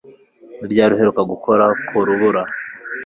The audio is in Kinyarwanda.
Ni ryari uheruka gukora ku rubura